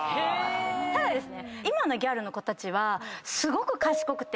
ただですね。